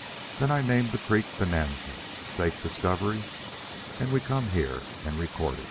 Then I named the creek 'Bonanza,' staked Discovery, and we come here and recorded."